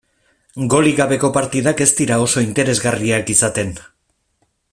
Golik gabeko partidak ez dira oso interesgarriak izaten.